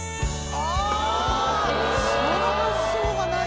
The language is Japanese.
ああその発想はない。